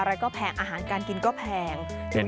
อะไรก็แพงอาหารการกินก็แพง